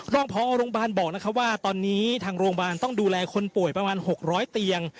รองพอโรงพยาบาลบอกนะครับว่าตอนนี้ทางโรงพยาบาลต้องดูแลคนป่วยประมาณ๖๐๐เตียง